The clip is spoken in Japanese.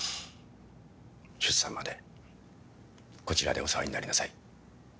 出産までこちらでお世話になりなさい